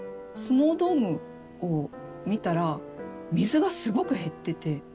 スノードームを見たら水がすごく減ってて。